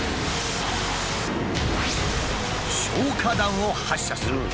消火弾を発射する。